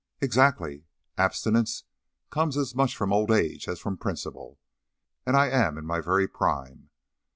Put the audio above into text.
"Exactly! Abstinence comes as much from old age as from principle, and I am in my very prime.